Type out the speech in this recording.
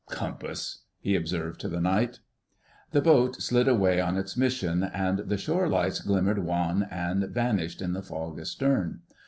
"Compass!" he observed to the night. The boat slid away on its mission, and the shore lights glimmered wan and vanished in the fog astern.